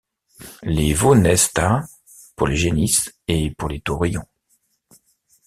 Les veaux naissent à pour les génisses et pour les taurillons.